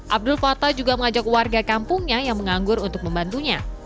abdul fatah juga mengajak warga kampungnya yang menganggur untuk membantunya